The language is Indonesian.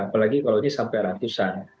apalagi kalau ini sampai ratusan